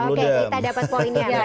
oke kita dapat poinnya